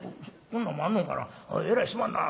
こんなんもあんのんかな。